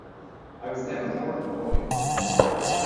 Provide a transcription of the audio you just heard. I was never more annoyed!